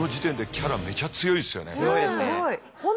強いですね。